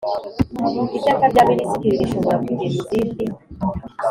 Iteka rya Minisitiri rishobora kugena izindi